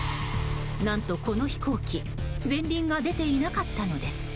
何と、この飛行機前輪が出ていなかったのです。